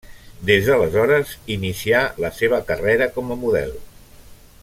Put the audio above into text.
Des d'aleshores inicià la seva carrera com a model.